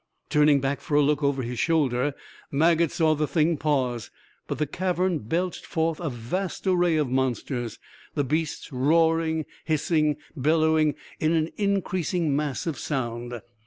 Turning back for a look over his shoulder, Maget saw the thing pause, but the cavern belched forth a vast array of monsters, the beasts roaring, hissing, bellowing, in an increasing mass of sound.